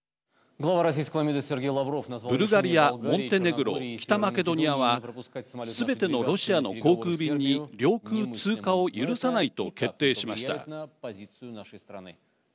ブルガリア、モンテネグロ北マケドニアはすべてのロシアの航空便に領空通過を許さないと決定しました。